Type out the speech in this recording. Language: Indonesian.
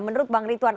menurut bang ritwan